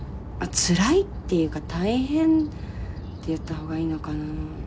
つらいっていうか大変って言った方がいいのかな。